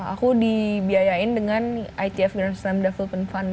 aku dibiayain dengan itf grand slam development fund ini